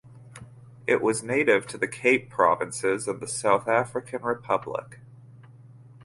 It is native to the Cape Provinces in the South African Republic.